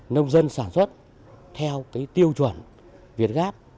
nông dân sản xuất theo tiêu chuẩn việt gáp